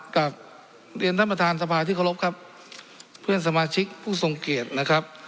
กลับเรียนท่านประธานสภาที่เคารพครับเพื่อนสมาชิกผู้ทรงเกียรตินะครับ